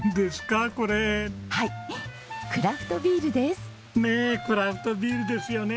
ねえクラフトビールですよね！